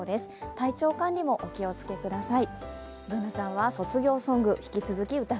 体調管理もお気を付けください。